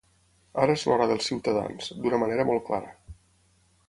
Ara és l’hora dels ciutadans, d’una manera molt clara.